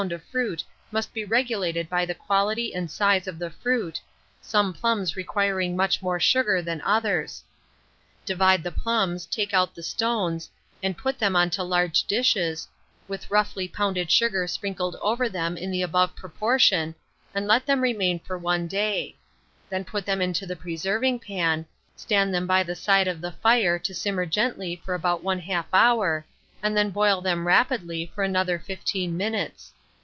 of fruit must be regulated by the quality and size of the fruit, some plums requiring much more sugar than others. Divide the plums, take out the stones, and put them on to large dishes, with roughly pounded sugar sprinkled over them in the above proportion, and let them remain for one day; then put them into a preserving pan, stand them by the side of the fire to simmer gently for about 1/2 hour, and then boil them rapidly for another 15 minutes.